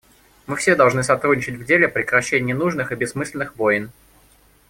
Мы все должны сотрудничать в деле прекращения ненужных и бессмысленных войн.